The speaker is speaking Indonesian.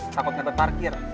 takut ngebet parkir